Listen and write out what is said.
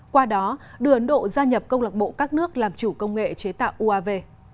qua đó đưa ấn độ gia nhập công lạc bộ các nước làm chủ công nghệ chế tạo uav